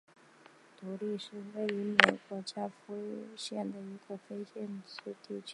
独立是位于美国加利福尼亚州卡拉韦拉斯县的一个非建制地区。